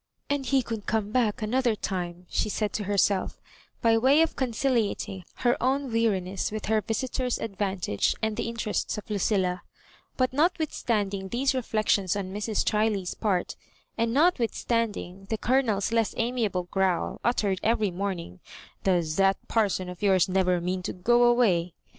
" And Digitized by VjOOQIC MISS MABJOBIBAlirKa "TS he could come back another time/' she said to herself, by way of conciliating her own weari ness with her visitor^s advantage and the interests of Lucilla. But not w ithstanding these reflections on Mrs. Chiley^s part, and notwithstanding the Coloners less amiable growl, uttered every morn ing — ''Does that parson of yours never mean to go away?"